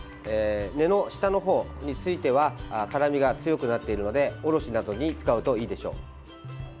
根の下のほうについては辛みが強くなっているのでおろしなどに使うといいでしょう。